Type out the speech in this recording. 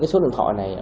cái số điện thoại này